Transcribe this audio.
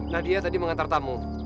nadia tadi mengantar tamu